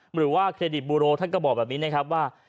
หรือว่าเครดิตบูโรท่านก็บอกแบบนี้นะครับว่า